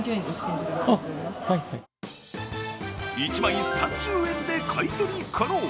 １枚３０円で買い取り可能。